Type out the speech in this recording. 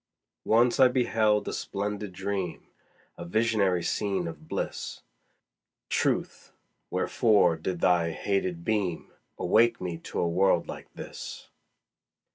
Once I beheld a splendid dream, A visionary scene of bliss: Truth! wherefore did thy hated beam Awake me to a world like this?